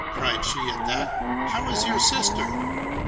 cried she at that: '' how is your sister?